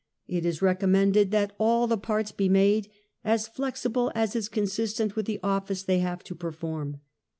" It is recommended that all the parts be made as flexible as is consistent with the office they have to perform."